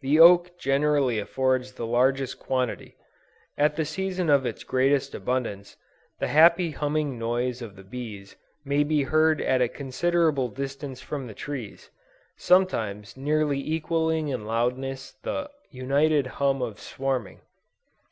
The oak generally affords the largest quantity. At the season of its greatest abundance, the happy humming noise of the bees may be heard at a considerable distance from the trees, sometimes nearly equalling in loudness the united hum of swarming."